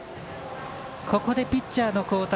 ここでピッチャーの交代。